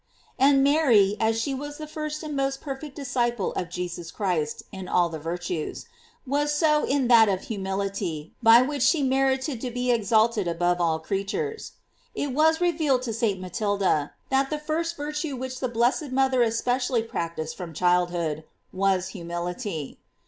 f And Mary, as she was the first and most perfect disciple of Jesus Christ in all the virtues, was so in that of humility, by which she merited to be exalted above all creatures. It was revealed to St. Matilda that the first virtue which the blessed mother especially practised from child hood, was humility.